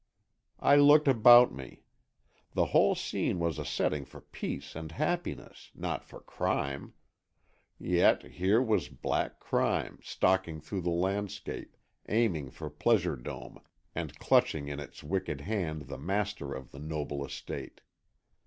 I looked about me. The whole scene was a setting for peace and happiness—not for crime. Yet here was black crime, stalking through the landscape, aiming for Pleasure Dome, and clutching in its wicked hand the master of the noble estate.